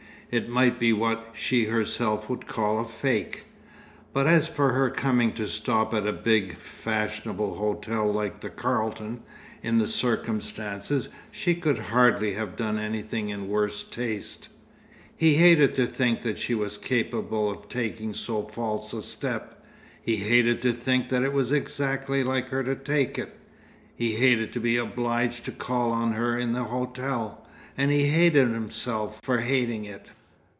It might be what she herself would call a "fake." But as for her coming to stop at a big, fashionable hotel like the Carlton, in the circumstances she could hardly have done anything in worse taste. He hated to think that she was capable of taking so false a step. He hated to think that it was exactly like her to take it. He hated to be obliged to call on her in the hotel; and he hated himself for hating it.